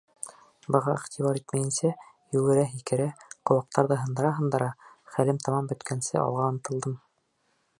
Быға иғтибар итмәйенсә, йүгерә-һикерә, ҡыуаҡтарҙы һындыра-һындыра, хәлем тамам бөткәнсе алға ынтылдым.